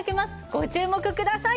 ご注目ください。